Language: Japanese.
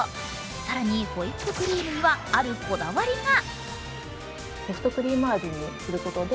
更にホイップクリームにはあるこだわりが。